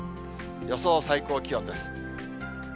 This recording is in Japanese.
予想最高気温です。